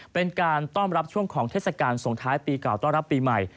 เป็นการต้อนรับช่วงของเทศกาลส่งท้ายปีเก่าต้อนรับปีใหม่